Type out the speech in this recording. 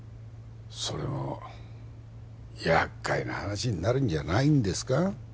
それもやっかいな話になるんじゃないんですか？